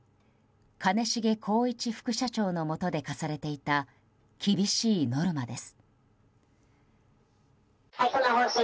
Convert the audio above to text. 兼重宏一副社長のもとで課されていた厳しいノルマです。